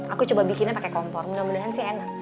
aku coba bikinnya pakai kompor mudah mudahan sih enak